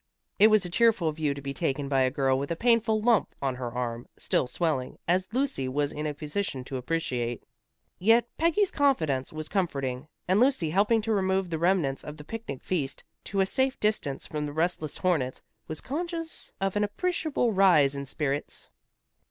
It was a cheerful view to be taken by a girl with a painful lump on her arm still swelling as Lucy was in a position to appreciate. Yet Peggy's confidence was comforting, and Lucy helping to remove the remnants of the picnic feast, to a safe distance from the restless hornets, was conscious of an appreciable rise in spirits.